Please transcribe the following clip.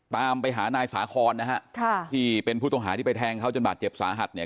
ตามไปหานายสาคอนที่เป็นผู้ต้องหาที่ไปแทงเขาจนบาดเจ็บสาหัส